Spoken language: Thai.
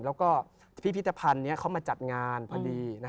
แล้วก็พิพิธภัณฑ์นี้เขามาจัดงานพอดี